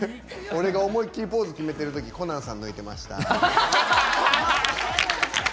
俺が思いっきりポーズ決めてるときコナンさん、抜いてました。